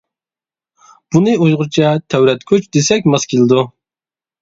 بۇنى ئۇيغۇرچە تەۋرەتكۈچ دېسەك ماس كېلىدۇ.